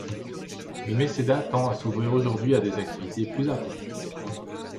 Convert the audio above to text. Le mécénat tend à s’ouvrir aujourd’hui à des activités plus artistiques.